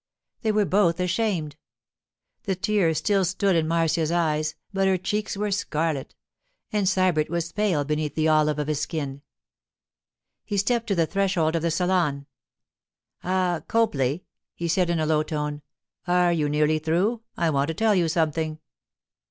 They were both ashamed. The tears still stood in Marcia's eyes, but her cheeks were scarlet. And Sybert was pale beneath the olive of his skin. He stepped to the threshold of the salon. 'Ah, Copley,' he said in a low tone. 'Are you nearly through? I want to tell you something.